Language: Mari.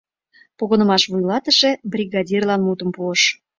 Погынымаш вуйлатыше бригадирлан мутым пуыш.